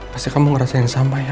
pasti kamu ngerasain yang sama ya